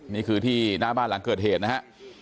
นี่คือที่หน้าบ้านหลังเกิดเหตุนะฮะ